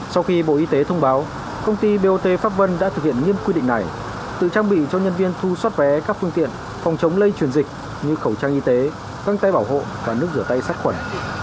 sau khi bộ y tế thông báo công ty bot pháp vân đã thực hiện nghiêm quy định này tự trang bị cho nhân viên thu xoát vé các phương tiện phòng chống lây truyền dịch như khẩu trang y tế găng tay bảo hộ và nước rửa tay sát khuẩn